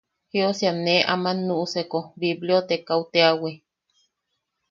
Jiosiam ne aman nuʼuseko bibliotekaʼu teawi.